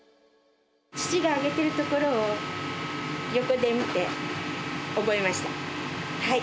父が揚げてるところを横で見て、覚えました。